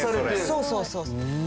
そうそうそう。